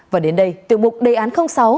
và đến đây tiêu mục đề án sáu